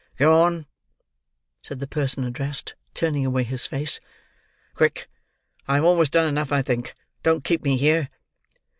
"Go on," said the person addressed, turning away his face. "Quick. I have almost done enough, I think. Don't keep me here."